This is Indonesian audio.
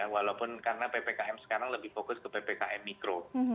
walaupun karena ppkm sekarang lebih fokus ke ppkm mikro